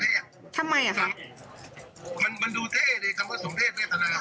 เนี่ยทั่มไงอ่ะครับคำว่าสมเทศเวทนาผม